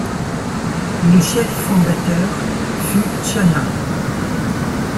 Le chef fondateur fut Tchana.